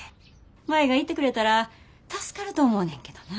舞が行ってくれたら助かると思うねんけどな。